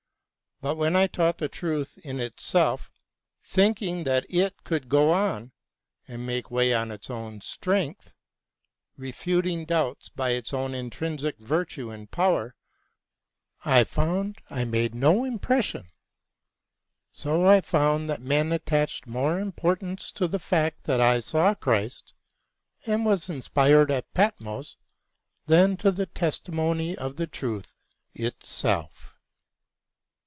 But when I taught the truth in itself, thinking that it could go on and make way on its own strength, refuting doubts by its own intrinsic virtue and power, I found I made no impression. So I found that men attached more importance to the fact that I saw Christ and was inspired at Patmos than to the testimony of the truth itself.